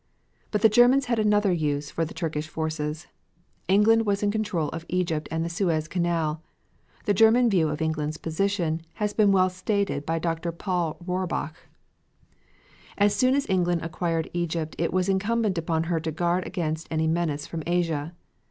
But the Germans had another use for the Turkish forces. England was in control of Egypt and the Suez Canal. The German view of England's position has been well stated by Dr. Paul Rohrbach: "As soon as England acquired Egypt it was incumbent upon her to guard against any menace from Asia.